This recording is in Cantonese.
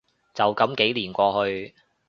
就噉幾年過去